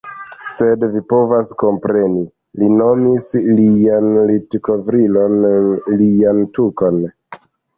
Sed vi povas kompreni. Li nomis lian litkovrilon... lian tukon.